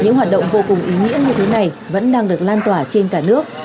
những hoạt động vô cùng ý nghĩa như thế này vẫn đang được lan tỏa trên cả nước